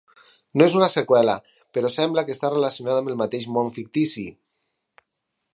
No és una seqüela, però sembla que està relacionada amb el mateix món fictici.